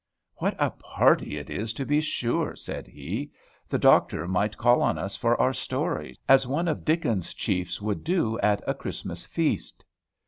"What a party it is, to be sure!" said he. "The doctor might call on us for our stories, as one of Dickens's chiefs would do at a Christmas feast.